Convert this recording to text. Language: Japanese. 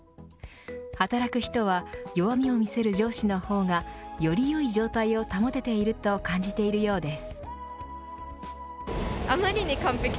働く人は弱みを見せる上司の方がよりよい状態を保てていると感じているようです。